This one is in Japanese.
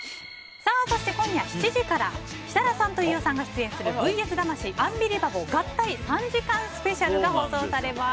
そして、今夜８時から設楽さんと飯尾さんが出演する「ＶＳ魂×アンビリバボー合体３時間スペシャル」が放送されます。